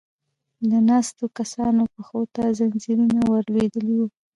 د ناستو کسانو پښو ته ځنځيرونه ور لوېدلې و.